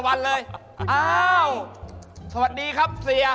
อ่าโห้ยอ้าวสวัสดีครับเสีย